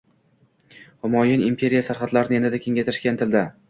Humoyun imperiya sarhadlarini yanada kengaytitishga intildi.